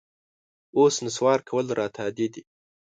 اوس نسوار کول راته عادي دي